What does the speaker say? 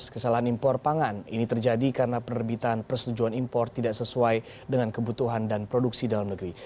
kesalahan impor pangan ini terjadi karena penerbitan persetujuan impor tidak sesuai dengan kebutuhan dan produksi dalam negeri